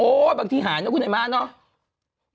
โอ้บางทีหายแล้วคุณไหนมาเนอะ